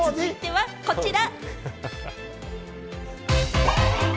続いては、こちら。